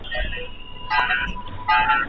تر راتلونکي کاله به مو عايد زيات وي.